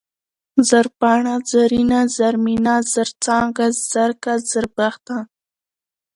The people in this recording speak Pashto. زرپاڼه ، زرينه ، زرمينه ، زرڅانگه ، زرکه ، زربخته